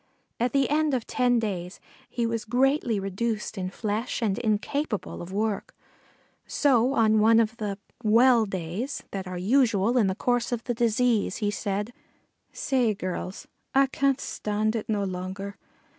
At the end of ten days he was greatly reduced in flesh and incapable of work, so on one of the "well days" that are usual in the course of the disease he said: "Say, gurruls, I can't stand it no longer.